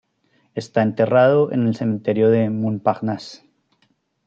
Está enterrado en el cementerio Montparnasse.